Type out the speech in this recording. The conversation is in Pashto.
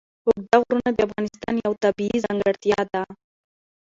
اوږده غرونه د افغانستان یوه طبیعي ځانګړتیا ده.